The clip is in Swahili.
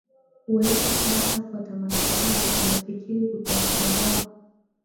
kuwepo sasa kwa tamasha hili unafikiri kutamkomboa